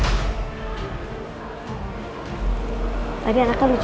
tadi anaknya lucu banget ya mas